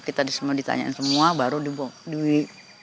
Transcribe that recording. kita semua ditanyain semua baru di